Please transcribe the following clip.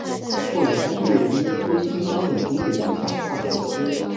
后来他毕业于东京高等工业学校化学科。